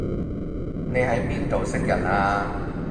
你喺邊度識人啊